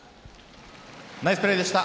ナイスプレーでした。